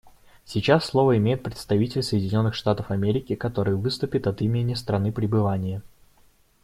Сейчас слово имеет представитель Соединенных Штатов Америки, который выступит от имени страны пребывания.